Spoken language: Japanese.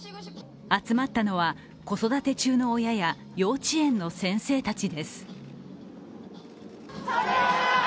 集まったのは子育て中の親や幼稚園の先生たちです。